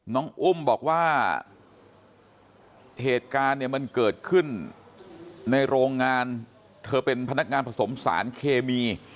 น้องอุ้มบอกว่าเหตุการณ์เนี่ยมันเกิดขึ้นในโรงงานเธอเป็นพนักงานผสมสารเคมี